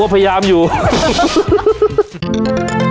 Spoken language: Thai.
โปรดติดตามตอนต่อไป